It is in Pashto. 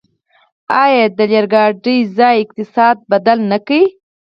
آیا د اورګاډي پټلۍ اقتصاد بدل نه کړ؟